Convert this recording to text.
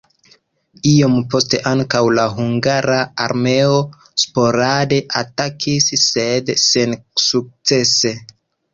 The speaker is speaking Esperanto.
Iom poste ankaŭ la hungara armeo sporade atakis, sed sensukcese.